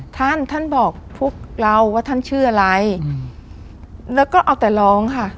ท่านท่านบอกพวกเราว่าท่านชื่ออะไรแล้วก็เอาแต่ร้องค่ะ